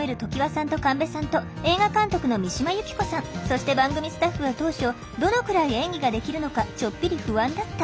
そして番組スタッフは当初どのくらい演技ができるのかちょっぴり不安だった。